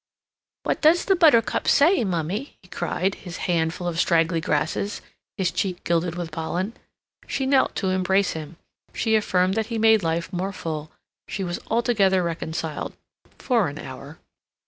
"What does the buttercup say, mummy?" he cried, his hand full of straggly grasses, his cheek gilded with pollen. She knelt to embrace him; she affirmed that he made life more than full; she was altogether reconciled ... for an hour.